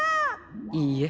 いいえ。